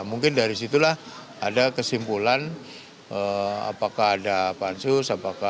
nah mungkin dari situlah ada kesimpulan apakah ada pansus apakah ada apa tindak lanjutnya itu nanti setelah ada pertemuan